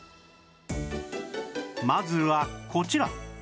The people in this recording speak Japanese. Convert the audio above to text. まずはこちら